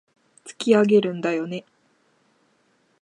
突き上げるんだよね